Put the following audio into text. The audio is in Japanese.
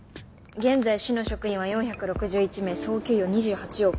現在市の職員は４６１名総給与２８億。